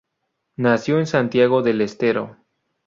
Nació en Santiago del Estero.